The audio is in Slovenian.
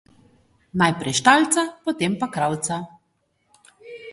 Najprej štalca, potem pa kravca.